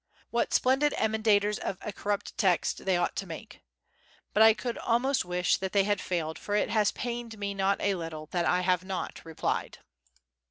What splendid emendators of a corrupt text they ought to make! But I could almost wish that they had failed, for it has pained me not a little that I have not replied.